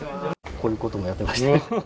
こういうこともやってまして。